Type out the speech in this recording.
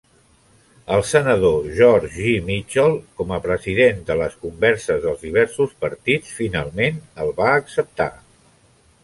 El senador George J. Mitchell, com a president de les converses dels diversos partits, finalment el va acceptar.